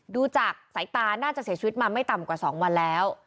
ดูจากสายตาน่าจะเสียชีวิตมาไม่ต่ำกว่า๒วันแล้ว